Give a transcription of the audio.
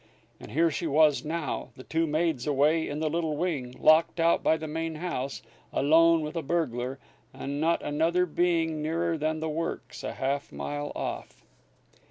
And here she was now, the two maids away in the little wing, locked out by the main house, alone with a burglar, and not another being nearer than the works, a half mile off.